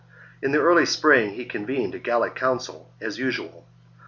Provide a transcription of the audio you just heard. In the early spring he convened a Gallic council, as usual.